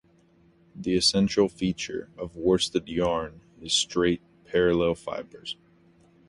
The essential feature of worsted yarn is straight, parallel fibres.